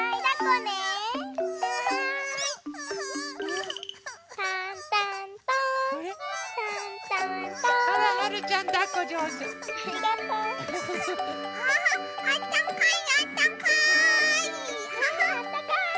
ねえあったかい。